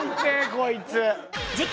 こいつ。